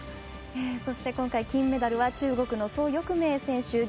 そして、今回、金メダルは中国の蘇翊鳴選手。